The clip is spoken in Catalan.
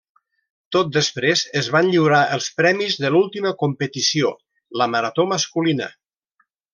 Tot després es van lliurar els premis de l'última competició, la marató masculina.